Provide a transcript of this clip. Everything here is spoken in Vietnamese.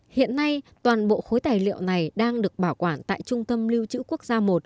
hiện nay toàn bộ khối tài liệu này đang được bảo quản tại trung tâm lưu trữ quốc gia i